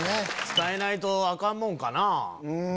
伝えないとアカンもんかなぁ？